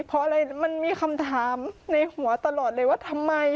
เพราะอะไรมันมีคำถามในหัวตลอดเลยว่าทำไม